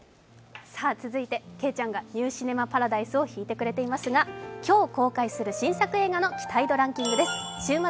続いて、けいちゃんが「ニューシネマパラダイス」を弾いてくれていますが、今日公開する新作映画の期待度ランキングです。